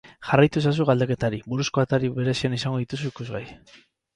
Jarraitu ezazu galdeketari buruzko atari berezian izango dituzu ikusgai.